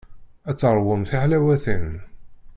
Ad teṛwum tiḥlawatin.